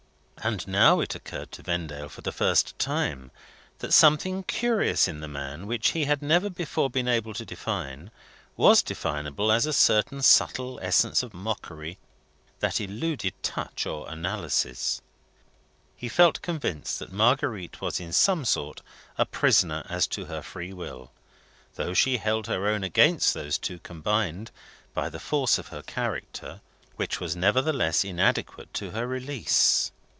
And now it occurred to Vendale for the first time that something curious in the man, which he had never before been able to define, was definable as a certain subtle essence of mockery that eluded touch or analysis. He felt convinced that Marguerite was in some sort a prisoner as to her freewill though she held her own against those two combined, by the force of her character, which was nevertheless inadequate to her release.